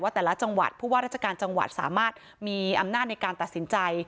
แต่ละจังหวัดผู้ว่าราชการจังหวัดสามารถมีอำนาจในการตัดสินใจ